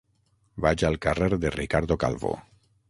Vaig al carrer de Ricardo Calvo.